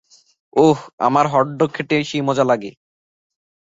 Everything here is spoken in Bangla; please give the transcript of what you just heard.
ওহ, আমার হটডগ খেতে সেই মজা লাগে।